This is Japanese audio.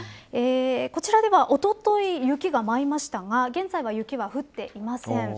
こちらではおととい雪が舞いましたが現在は雪が降っていません。